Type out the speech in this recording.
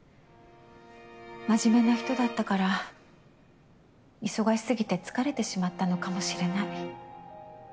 真面目な人だったから忙しすぎて疲れてしまったのかもしれない。